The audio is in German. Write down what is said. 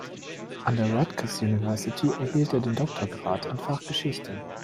An der Rutgers University erhielt er den Doktorgrad im Fach Geschichte.